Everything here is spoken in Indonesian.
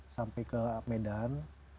sampai ke medan